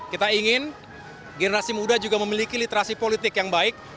kita ingin generasi muda juga memiliki literasi politik yang baik